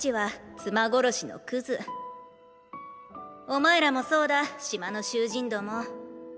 お前らもそうだ島の囚人ども！